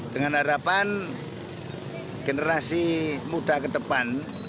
dengan harapan generasi muda kedepan